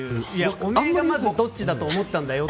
お前がまずどっちだと思ったんだよ！